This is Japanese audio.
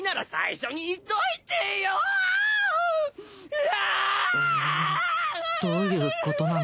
えぇどういうことなの？